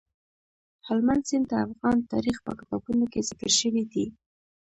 هلمند سیند د افغان تاریخ په کتابونو کې ذکر شوی دي.